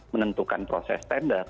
menentukan proses standar